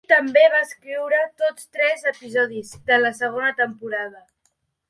Ell també va escriure tots tres episodis de la segona temporada.